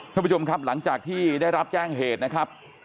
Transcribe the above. ท่านผู้ชมครับหลังจากที่ได้รับแจ้งเหตุนะครับ